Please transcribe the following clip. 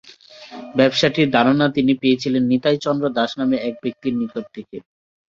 ব্যবসাটির ধারণা তিনি পেয়েছিলেন নিতাই চন্দ্র দাস নামে এক ব্যক্তির নিকট থেকে।